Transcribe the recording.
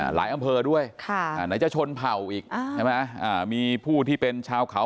หลายอำเภอด้วยมีเชิญเผาอีกมีผู้ที่เป็นชาวเขา